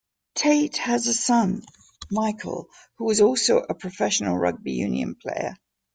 Tait has a son, Michael, who was also a professional rugby union player.